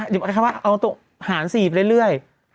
ใช้คำว่าเอาตรงหาร๔ไปเรื่อย